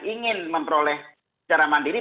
ingin memperoleh secara mandiri